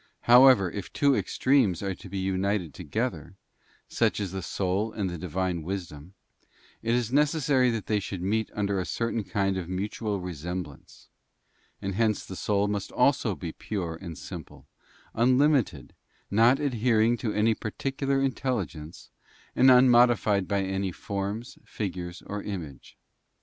However, if two extremes are to be united together, such as the soul and the Divine Wisdom, it is necessary that they should meet under a certain kind of mutual resemblance; and hence the soul must be also pure and simple, unlimited, not adhering to any particular intelligence, and unmodified by any forms, figures, or image.